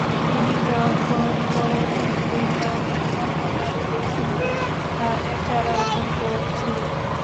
তিনি তখন পরের জমিতে গ্রামের অন্য নারীদের সঙ্গে ধানের চারা রোপণ করছিলেন।